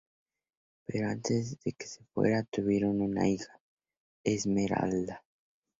Pero antes de que se fuera tuvieron una hija, Esmeralda.